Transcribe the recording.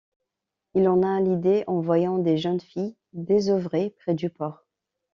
Il en a l'idée en voyant des jeunes filles désœuvrées près du port.